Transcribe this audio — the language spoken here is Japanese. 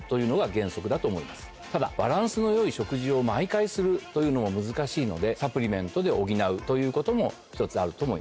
ただバランスのよい食事を毎回するというのも難しいので。ということも１つあると思います。